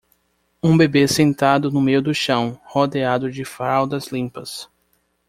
um bebê sentado no meio do chão, rodeado de fraldas limpas